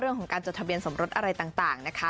เรื่องของการจดทะเบียนสมรสอะไรต่างนะคะ